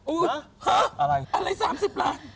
อะไรอะไร๓๐ล้าน